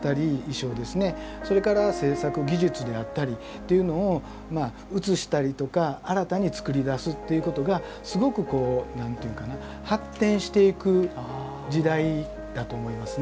それから制作技術であったりっていうのをまあ写したりとか新たに作り出すっていうことがすごくこう何と言うんかな発展していく時代だと思いますね。